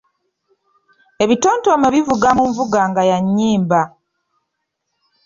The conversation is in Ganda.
Ebitontome bivuga mu nvuga nga ya nnyimba.